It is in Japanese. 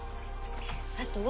あとは。